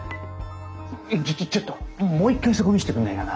ちょちょちょっともう一回そこ見せてくんないかな。